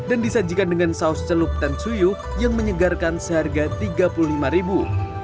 dan disajikan dengan saus celup dan tsuyu yang menyegarkan seharga tiga puluh lima ribu